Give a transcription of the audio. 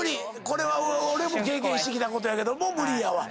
これは俺も経験してきたことやけども無理やわ。